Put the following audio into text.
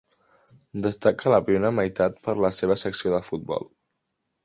Destacà a la primera meitat del per la seva secció de futbol.